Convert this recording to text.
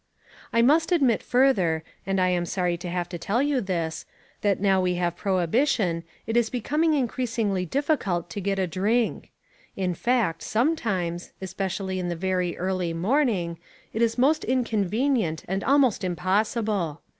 I must admit further, and I am sorry to have to tell you this, that now we have prohibition it is becoming increasingly difficult to get a drink. In fact, sometimes, especially in the very early morning, it is most inconvenient and almost impossible.